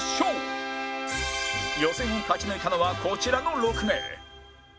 予選を勝ち抜いたのはこちらの６名